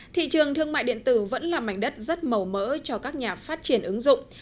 thị trường thương mại điện tử vẫn là mảnh đất rất màu mỡ cho các nhà phát triển ứng dụng